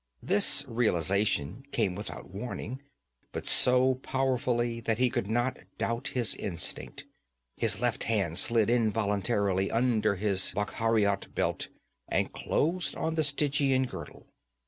This realization came without warning, but so powerfully that he could not doubt his instinct. His left hand slid involuntarily under his Bakhariot belt and closed on the Stygian girdle.